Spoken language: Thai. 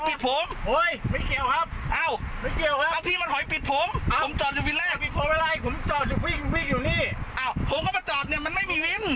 พี่มาบอกมีวินได้ไงเอาวินผมวินผมอ้าววิน